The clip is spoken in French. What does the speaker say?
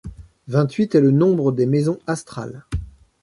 Vingt-huit est le nombre des maisons astrales.